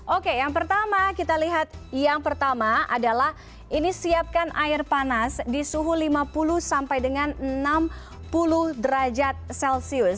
oke yang pertama kita lihat yang pertama adalah ini siapkan air panas di suhu lima puluh sampai dengan enam puluh derajat celcius